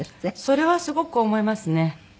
それはすごく思いますね。